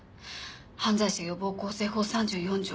犯罪者予防更生法３４条。